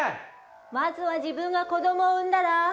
まずは自分が子ども産んだら？